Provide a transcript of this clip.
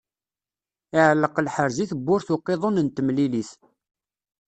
Iɛelleq lḥerz i tebburt n uqiḍun n temlilit.